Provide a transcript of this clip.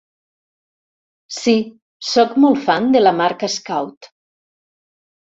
Sí, soc molt fan de la marca Scout.